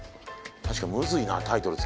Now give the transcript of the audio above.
確かにむずいなタイトル